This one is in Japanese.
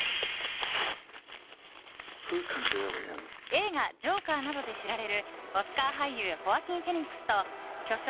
映画「ジョーカー」などで知られるオスカー俳優ホアキン・フェニックスと巨匠